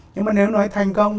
nhưng mà nếu nói thành công